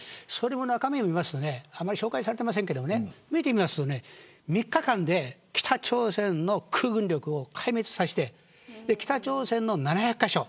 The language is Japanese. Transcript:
中身を見ますとあまり紹介されていませんが見てみると３日間で北朝鮮の空軍力を壊滅させて北朝鮮の７００カ所。